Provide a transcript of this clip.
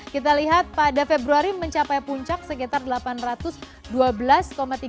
kita lihat pada februari mencapai puncak sekitar delapan ratus juta